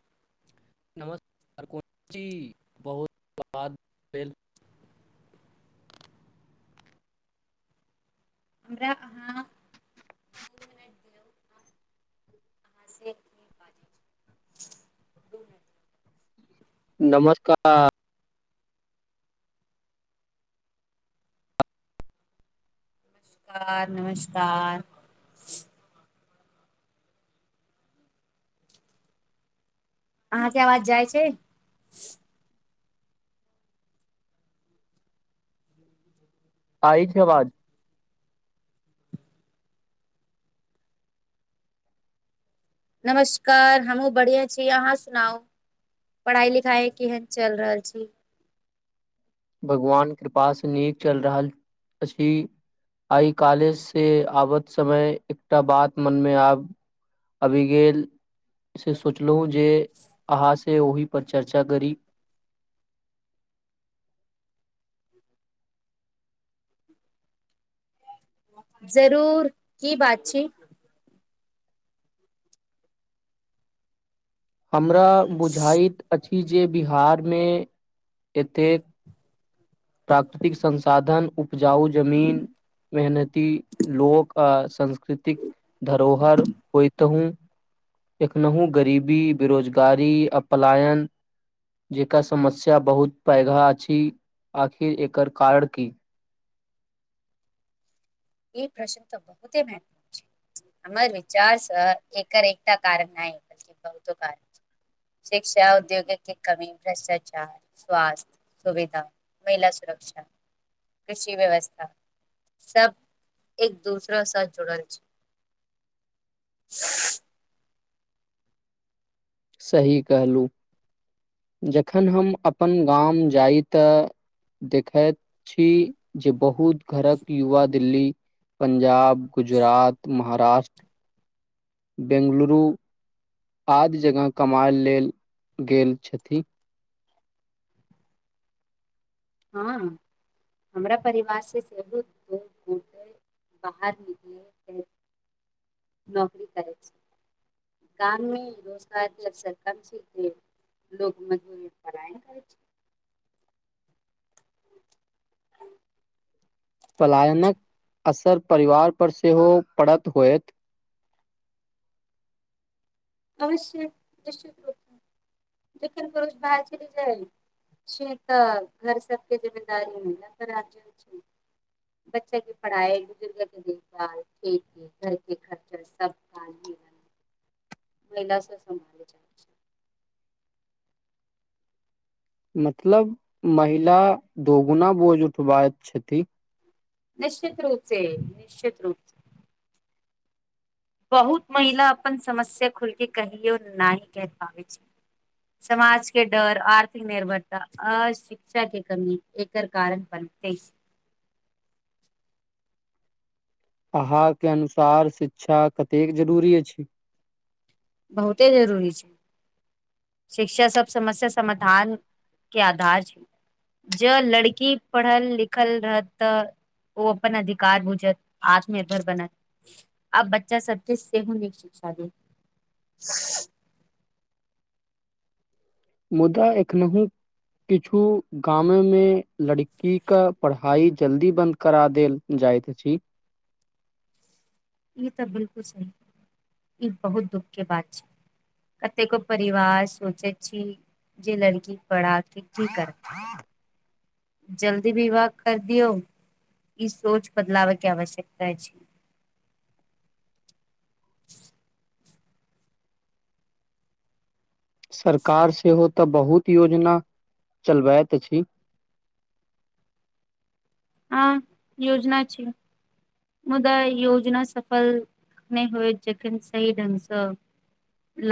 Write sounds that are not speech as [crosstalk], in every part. [inaudible] नमस्कार को बहुत भेल [unintelligible] [inaudible] हमरा अहाँ! [inaudible] दौ अहाँसँ की बाजै छी [inaudible] दू मिनट [inaudible] नमस्कार! नमस्कार! नमस्कार! अहाँके अवाज जाइ छै? आइ छै आवाज। नमस्कार! हमहुँ बढ़िआ छी, अहाँ सुनाउ? 'पढ़ाइ -लिखाइ' केहन चलि रहल छै? भगवान कृपा से, नीक चल रहल अछि। आइ कालेज से आबत समय, एकटा बात मनमे आब आबि गेल से, सोचलहुँ जे, अहाँ से से ओहि पर चर्चा करी। जरूर की बात छी? हमरा बुझाइत अछि जे, बिहारमे एतेक प्राकृतिक संसाधन, उपजाउ जमीन। मेहनती लोक, आ संंस्कृतिक। धरोहर, होइत हूँ एखनहु गरीबी, बेरोजगारी, आ पलायन! जेकर समस्या बहुत पैघा अछि, आखिर एकर कारण की? ई प्रश्न तऽ बहुते महत्व छै। हमर विचार स, एकर एकटा कारण नहि, बलकि बहुतो कारण छै। शिक्षा उऔद्योग के कमी, भ्रष्टाचार, स्वास्थ्य, सुविधा। महिला सुरक्षा, कृषि व्यवस्था, सब। एक दूसरा साथ जुड़ल छी। [inaudible] सही कहलूँ। जखन हम अपन गाम जाइ तऽ, देखैत छी। जे बहुत घरक युवा, दिल्ली, पंजाब, गुजरात, महाराष्ट्र! [unintelligible] बेैंगलुरु, आदि जगह कमाएल लेल गेल छथि। ठीक। हँ हमरा परिवार से सेहो बहुत बाहर निकल नौकरी करै छै। गाममे रोजगारके, अबसर कम छै की? लोको मजबूरी पढाई -लिखाई छै। [unintelligible] पलायनक असर, परिवार पर सेहो पड़त होयत। [unintelligible] अवश निश्चित रूप जेन करष बाहर चल जाइ [unintelligible] छै तऽ घर सबके जिममेदारीमे जा त छै। बच्चा के पढ़ाई, बुजुर्ग के देखभाल, खेल-कूद, घरके खर्चर, सब क [unintelligible] महिलँ सम्भाल जाइ छै। मतलब महिला दगुना बोझ उठबाैत छथिन। निश्चित रूप से, निश्चित रूप बहुत महिला, अपन समस्या खुलके कहियो नहि कहि पाबैत छै। समाज के डर, आर्थिक निर्भरता, अ शिक्षा के कमी, एकर कारण पर तेस [unintelligible] अहाकके अनुसार शिक्षा कतेक जरूरी अछि? बहुते जरूरी छै। शिक्षा सब समस्या समाधान के आधार छै। जं लड़की पढ़ल लिखल रहत त ओ अपन अधिकार बुझत, आत्मनिर्भर बनत। आ बच्चा सबके सेहो नीक शिक्षा देत मुदा एखनहुं किछु गाम मे लड़की के पढ़ाई जल्दी बंद करा देल जाय जाइत अछि। ई त बिलकुल सही, ई बहुत दुःखके बात छै। कतेको परिवार सोचैत छी जे लड़की पढ़ा के की करब। जल्दी विवाह कर दियौ ई सोच बदलावैके आवश्यकता छै। [inaudible] सरकार सेहो तऽ बहुत योजना चलबैत अछि [unintelligible] हँ योजना छियै। मुदा योजना सफल नहि होइत जखन सही ढंग सँ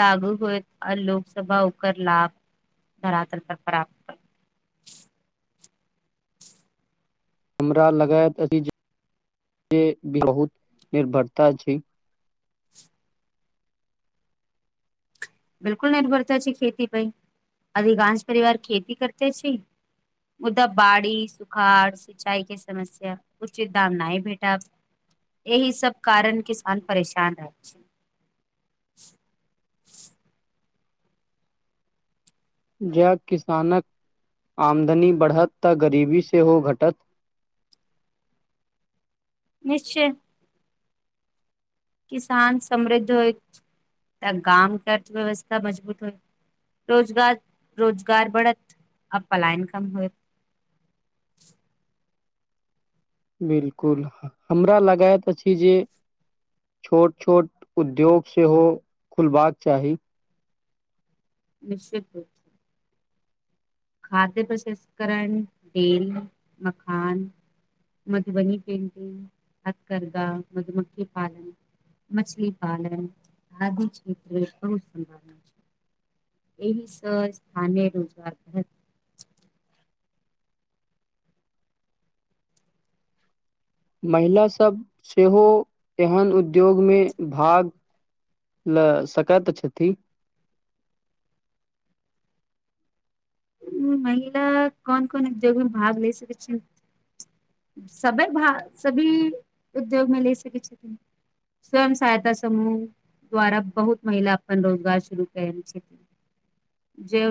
लागू होएत आ लोकसब ओकर लाभ धरातल पर प्राप्त [inaudible] हमरा लगैत अछि जे भी बहुत निर्भरता छै। बिलकुल निर्भरता छै खेती पर, अधिकांश परिवार खेती करते छै। मुदा बाढि, सुखाड़, सिंचाई के समस्या, उचित दाम नहि भेटब एहि सभ कारण किसान परेशान रहै छै। [unintelligible] जब किसानक आमदनी बढ़त त गरीबी सेहो घटत। [unintelligible] निश्चय। किसान समृद्ध होयत त गामके अर्थव्यवस्था मजबूत होइत रोजगार, रोजगार बढ़त आ पलायन कम होएत। [unintelligible] बिलकुल, हमरा लगैत अछि जे छोट छोट उद्योग सेहो खुलबाक चाही। निश्चिते। खाद्य प्रसंस्करण, तेल मखान। मधुबनी पेटिंग, हथकरघा, मधुमक्खी पालन। मछली पालन आदि क्षेत्र मे बहुत संभावना छै। एहि से स्थानीय रोजगार बढत। महिला सभ सेहो एहन उद्योगमे भाग ल सकैत छथि। महिला कोन कोन उद्योग मे भाग ल सकैत छथि। सबै, भाग, सभी उद्योगमे भाग ले सकै छथिन। स्वयं सहायता समूह। द्वारा बहुत महिला अपन रोजगार शुरू कयने छथिन जे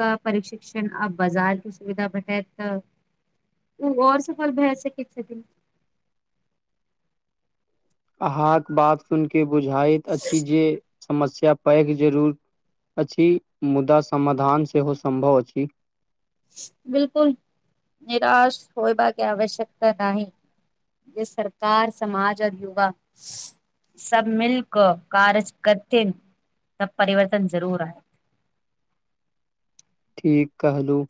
हुनका प्रशिक्षण आ बाजारके सुविधा भेटत त ओ और सफल भए सकैत छथिन। अहाँक बात सुनि क बुझाइत अछि जे समस्या पैघ जरूर अछि, मुदा समाधान सेहो सम्भव अछि। बिलकुल, निराश होयबा के आवश्यकता नहि। जे सरकार समाज और युवा सब मिल क कार्य करथिन त परिवर्तन जरूर आयत। ठीक कहलहुँ।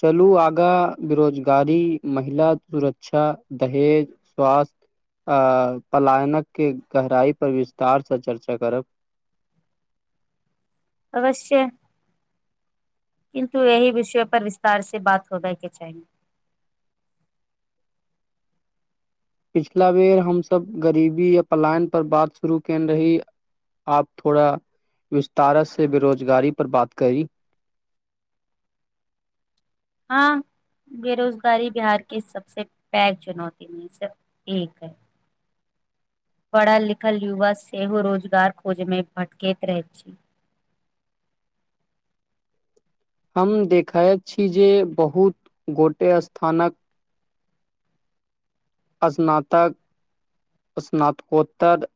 चलु आगाँ बेरोजगारी, महिला सुरक्षा, दहेज, स्वास्थ्य आ पलायनक के गहराई पर विस्तारसँ चर्चा करब [unintelligible] अवश्य। किन्तु एहि विषय पर विस्तार से बात करबै के चाही। [unintelligible] पिछिला बेर हम सब गरीबी या पलायन पर बात शुरू केने रही आब थोड़ा विस्तार से बेरोजगारी पर बात करी। [unintelligible] हँ बेरोजगारी बिहारके सबसे पैघ चुनौती मे से एक अछि। पढ़ल लिखल युवा सेहो रोजगार खोजैमे भटकैत रहैत छथि। हम देखैत छी जे बहुत गोटे स्थानक स्नातक स्नातकोत्तर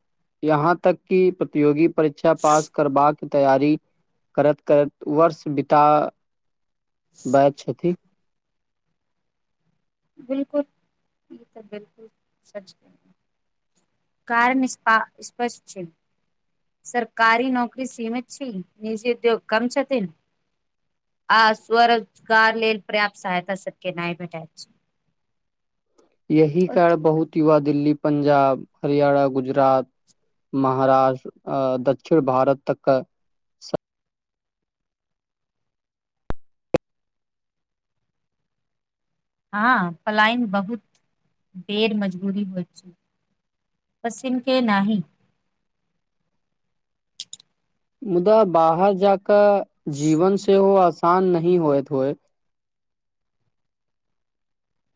यहाँ तक कि प्रतियोगी परीक्षा पास करबाक तैयारी करैत करैत वर्ष बिता दैत छथि। बिलकुल, बिलकुल बिलकुल, ई सच छै। कारण स्प स्पष्ट छै। सरकारी नौकरी सीमित छै, निजी उद्योग कम छथिन। आ स्वरोजगार लेल पर्याप्त सहायता सबके नै भेटै छै। यही कारण बहुत युवा दिल्ली, पंजाब, हरियाणा गुजरात महाराष्ट्र, दक्षिण भारत तक के हँ पलायन बहुत बेर मजबूरी होइ छै। पसिन के नहि। मुदा बाहर जाकय जीवन सेहो आसान नही होइत होइ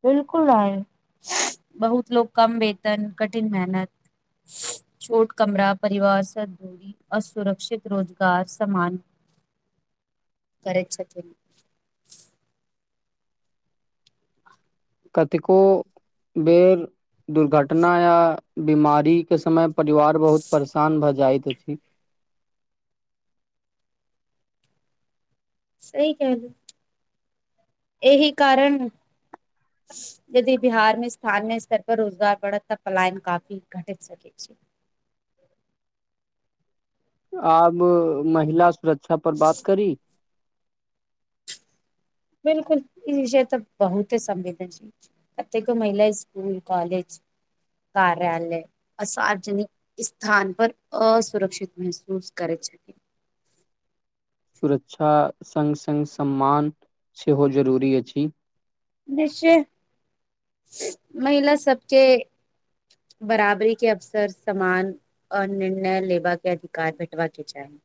बिलकुल नै, बहुत लोक कम वेतन कठिन मेहनत छोट कमरा परिवार सं दूरी, असुरक्षित रोजगार सम्मान [unintelligible] करै छथिन। कतेको बेर दुर्घटना या बीमारीे के समय परिवार बहुत परेशान भ जाइत अछि। सही कहलहुं, एहि कारण यदि बिहार मे स्थानीय स्तर पर रोजगार बढ़त त पलायन काफी घटित सकै छै। [unintelligible] आब महिला सुरक्षा पर बात करी? बिलकुल, ई विषय त बहुते संवेदनशील छै, कतेको महिला स्कूल कॉलेज कार्यालय आ सार्वजनिक स्थान पर असुरक्षित महसूस करैत छथि। [unintelligible] [inaudible] सुरक्षा संग-संग सम्मान सेहो जरूरी अछि। निश्चय महिला सबके बराबरी के अवसर समान और निर्णय लेबा के अधिकार भेटबा के चाही।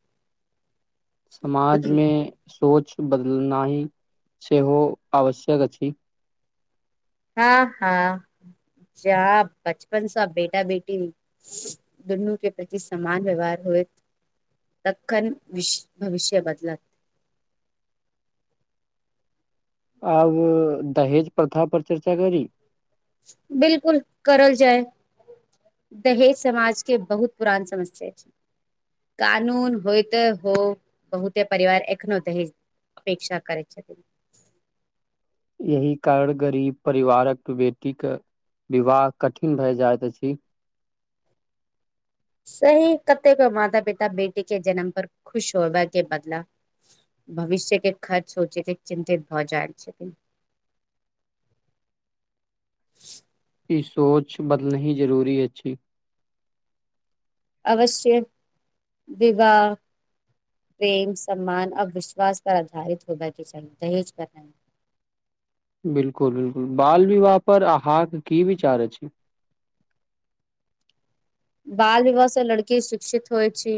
समाज मे सोच बदलनाही सेहो आवश्यक अछि। हां-हां। जा बचपन स बेटा-बेटी दुन्नू के प्रति समान व्यवहार होएत तखन विश भविष्य बदलत। [inaudible] आब दहेज प्रथा पर चर्चा करी। बिलकुल करल जाय। दहेज समाज के बहुत पुरान समस्या अछि। कानून होयत हो बहुते परिवार एखनो दहेज अपेक्षा करै छथी। यही कारण गरीब परिवारक बेटी के विवाह कठिन भाए जाएत अछि। सही कतेक माता-पिता बेटी के जन्म पर खुश होबै के बदला भविष्य के खर्च सोचेति चिंतित भ जाय छथिन। [inaudible] इ सोच बदलनेही जरुरी अछि। अवश्य, विवाह प्रेम, सम्मान आ विश्वास पर अधारित होयबा के चाही, दहेज पर नै। [inaudible] बिलकुल बिलकुल, बाल विवाह पर अहां के की विचार अछि। [inaudible] बाल विवाह से लड़की शिक्षित होय छी।